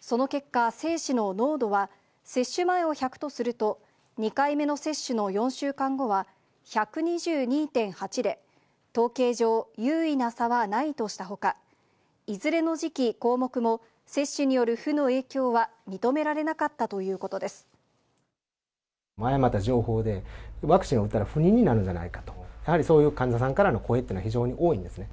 その結果、精子の濃度は接種前を１００とすると、２回目の接種の４週間後は、１２２．８で、統計上、有意な差はないとしたほか、いずれの時期、項目も、接種による負の影響は認められなかったと誤った情報で、ワクチンを打ったら不妊になるんじゃないかと、やはりそういう患者さんからの声っていうのは、非常に多いんですね。